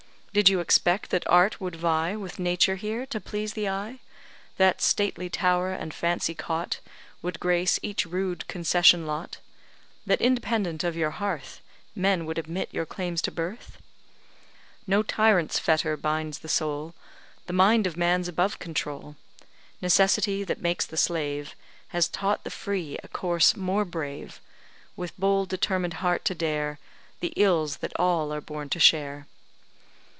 Did you expect that Art would vie With Nature here, to please the eye; That stately tower, and fancy cot, Would grace each rude concession lot; That, independent of your hearth, Men would admit your claims to birth? No tyrant's fetter binds the soul, The mind of man's above control; Necessity, that makes the slave, Has taught the free a course more brave; With bold, determined heart to dare The ills that all are born to share.